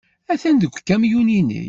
Atan deg ukamyun-nnek.